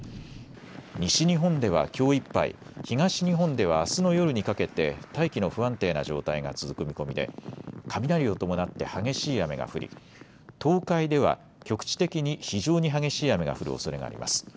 西日本ではきょういっぱい、東日本ではあすの夜にかけて大気の不安定な状態が続く見込みで雷を伴って激しい雨が降り東海では局地的に非常に激しい雨が降るおそれがあります。